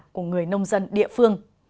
của người nông dân địa phương